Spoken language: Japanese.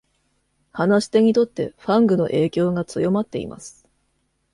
話し手にとってファングの影響が強まっています。